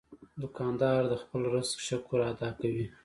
دوکاندار د خپل رزق شکر ادا کوي.